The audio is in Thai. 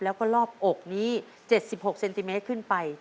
แล้วก็รอบอกนี้๗๖เซนติเมตรขึ้นไป